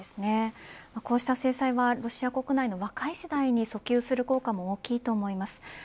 こうした制裁はロシア国内の若い世代に訴求する効果も大きいと思います。